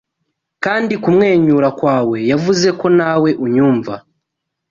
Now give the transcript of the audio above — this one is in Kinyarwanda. Kandi kumwenyura kwawe yavuze ko nawe unyumva